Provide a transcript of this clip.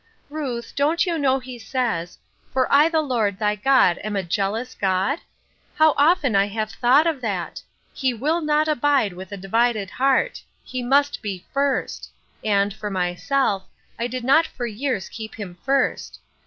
" Ruth, don't you know He says :' For I the Lord thy God am a Jealous God f ' How often I have thought of that ! He will not abide with a divided heart ; he must be first ; and, for my self, I did not for years keep him first.